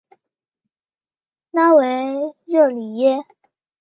拉维热里耶。